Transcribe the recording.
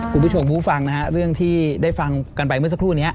คุณผู้ชมผู้ฟังนะฮะเรื่องที่ได้ฟังกันไปเมื่อสักครู่นี้